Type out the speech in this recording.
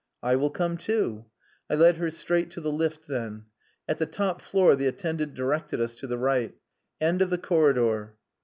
"I will come too." I led her straight to the lift then. At the top floor the attendant directed us to the right: "End of the corridor."